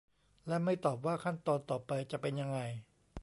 และไม่ตอบว่าขั้นตอนต่อไปจะเป็นยังไง